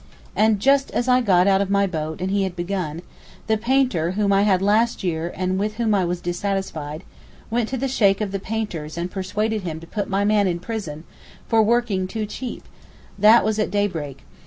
Also just as I got out of my boat and he had begun, the painter whom I had last year and with whom I was dissatisfied, went to the Sheykh of the painters and persuaded him to put my man in prison for working too cheap—that was at daybreak.